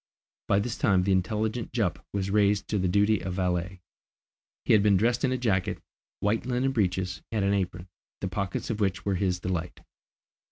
By this time the intelligent Jup was raised to the duty of valet. He had been dressed in a jacket, white linen breeches, and an apron, the pockets of which were his delight.